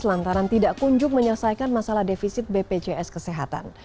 lantaran tidak kunjung menyelesaikan masalah defisit bpjs kesehatan